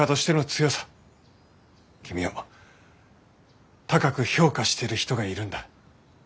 君を高く評価してる人がいるんだ。